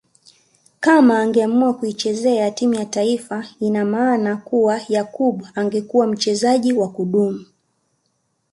Kama angeamua kuichezea timu ya taifa ina maana kuwa Yakub angekuwa mchezaji wa kudumu